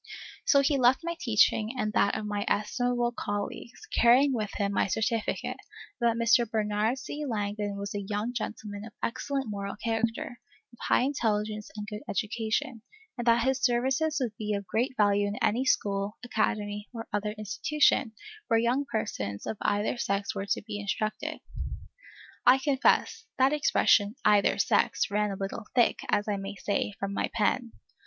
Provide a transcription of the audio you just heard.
So he left my teaching and that of my estimable colleagues, carrying with him my certificate, that Mr. Bernard C. Langdon was a young gentleman of excellent moral character, of high intelligence and good education, and that his services would be of great value in any school, academy, or other institution, where young persons of either sex were to be instructed. I confess, that expression, "either sex," ran a little thick, as I may say, from my pen.